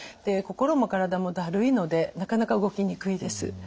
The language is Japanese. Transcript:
心も体もだるいのでなかなか動きにくいです。